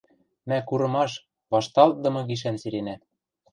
Мӓ курымаш, вашталтдымы гишӓн сиренӓ.